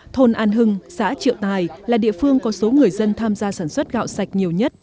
thôn an hưng xã triệu tài là địa phương có số người dân tham gia sản xuất gạo sạch nhiều nhất